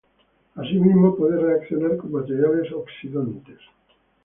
Asimismo, puede reaccionar con materiales oxidantes.